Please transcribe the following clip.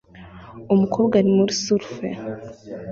Umukobwa ari muri surf